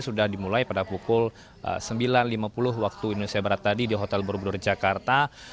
sudah dimulai pada pukul sembilan lima puluh waktu indonesia barat tadi di hotel borobudur jakarta